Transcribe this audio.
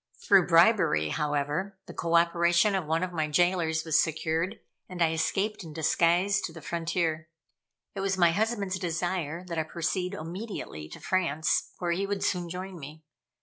Through bribery, however, the co operation of one of my jailors was secured, and I escaped in disguise to the frontier. It was my husband's desire that I proceed immediately to France, where he would soon join me.